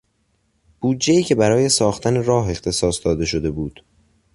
بودجهای که برای ساختن راه اختصاص داده شده بود